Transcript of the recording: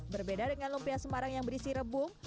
berbeda dengan lumpia semarang yang berisi rebung